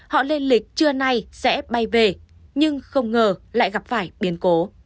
họ lên lịch trưa nay sẽ bay về nhưng không ngờ lại gặp phải biến cố